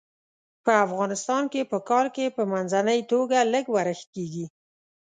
په افغانستان کې په کال کې په منځنۍ توګه لږ ورښت کیږي.